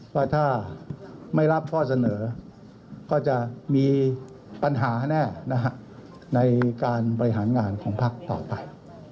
ว่าถ้าไม่รับข้อเสนอก็จะมีปัญหาแน่ในการบริหารงานของพักต่อไป